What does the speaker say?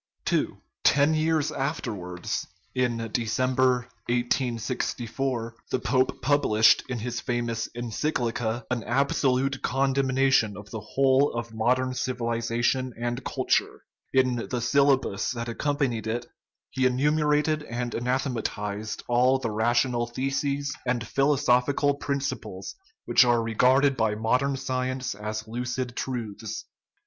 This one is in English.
(2) Ten years after wards in December, 1864 the pope published, in his famous encyclica, an absolute condemnation of the whole of modern civilization and culture ; in the sylla 3 2 3 THE RIDDLE OF THE UNIVERSE that accompanied it he enumerated and anathe matized all the rational theses and philosophical prin ciples which are regarded by modern science as lucid truths.